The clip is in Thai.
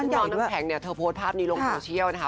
น้องน้ำแข็งเนี่ยเธอโพสต์ภาพนี้ลงโซเชียลนะคะ